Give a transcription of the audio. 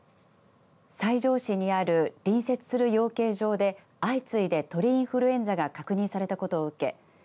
西条市にある隣接する養鶏場で相次いで、鳥インフルエンザが確認されたことを受け